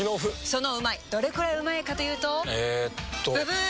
そのうまいどれくらいうまいかというとえっとブブー！